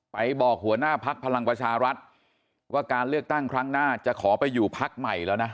ไปบอกหัวหน้าพักพลังประชารัฐว่าการเลือกตั้งครั้งหน้าจะขอไปอยู่พักใหม่แล้วนะ